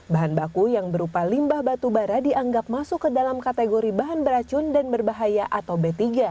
bahan baku yang berupa limbah batubara dianggap masuk ke dalam kategori bahan beracun dan berbahaya atau b tiga